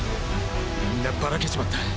みんなバラけちまった！